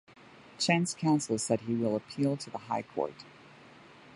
Chen's counsel said he will appeal to the High Court.